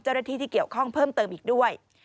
เจ้าหน้าที่ที่เกี่ยวข้องเพิ่มเติมอีกด้วย